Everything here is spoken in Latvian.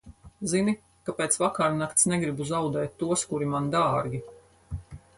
Zini, ka pēc vakarnakts negribu zaudēt tos, kuri man dārgi.